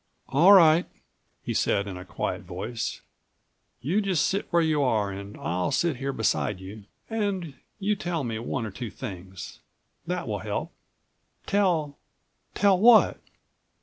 "All right," he said in a quiet voice, "you just sit where you are and I'll sit here beside you and you tell me one or two things. That will help." "Tell—tell what?"